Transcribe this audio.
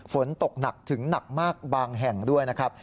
ฝนตกหนักถึงหนักมากบางแห่งด้วยนะครับ